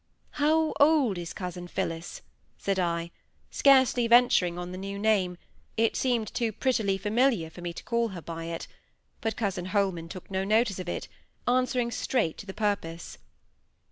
"How old is cousin Phillis?" said I, scarcely venturing on the new name, it seemed too prettily familiar for me to call her by it; but cousin Holman took no notice of it, answering straight to the purpose.